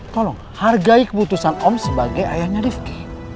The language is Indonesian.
tolong hargai keputusan om sebagai ayahnya rifki